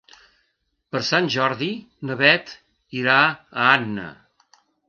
Per Sant Jordi na Beth irà a Anna.